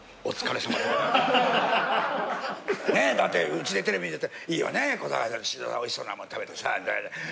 ねえだってうちでテレビ見てて「いいよね小堺さんと宍戸さん美味しそうなもの食べてさ」。